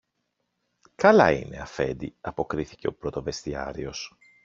Καλά είναι, Αφέντη, αποκρίθηκε ο πρωτοβεστιάριος